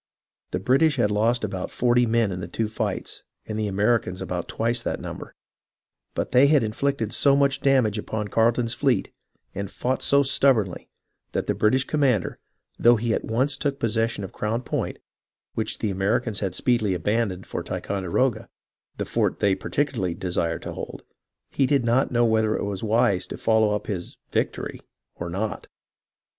The British had lost about forty men in the two fights, and the Americans about twice that num ber ; but they had inflicted so much damage upon Carle ton's fleet, and had fought so stubbornly, that the British 158 HISTORY OF THE AMERICAN REVOLUTION commander, though he at once took possession of Crown Point, which the Americans had speedily abandoned for Ticonderoga, the fort they particularly desired to hold, did not know whether it was wise to follow up his "victory" or not.